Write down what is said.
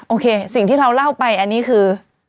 โอเคสิ่งที่เราเล่าไปอันนี้คือ